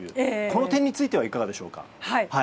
この点についてはいかがでしょうか。